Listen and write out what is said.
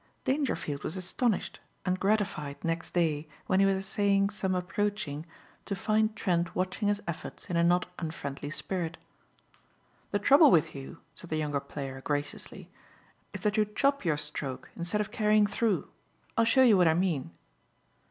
Dangerfield was astonished and gratified next day when he was essaying some approaching to find Trent watching his efforts in a not unfriendly spirit. "The trouble with you," said the younger player graciously, "is that you chop your stroke instead of carrying through. I'll show you what I mean."